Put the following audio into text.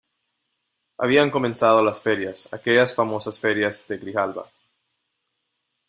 habían comenzado las ferias, aquellas famosas ferias de Grijalba